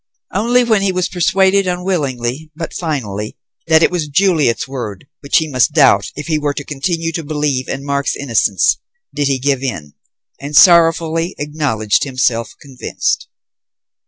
Only when he was persuaded unwillingly, but finally, that it was Juliet's word which he must doubt if he were to continue to believe in Mark's innocence, did he give in, and sorrowfully acknowledged himself convinced.